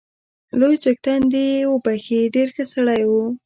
لوی څښتن دې يې وبخښي، ډېر ښه سړی وو